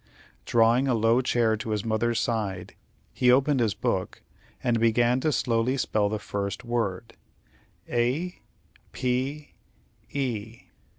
Drawing a low chair to his mother's side, he opened his book, and began to slowly spell the first word, "A P E."